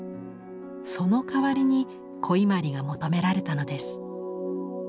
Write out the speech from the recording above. その代わりに古伊万里が求められたのです。